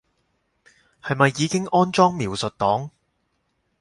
係咪已經安裝描述檔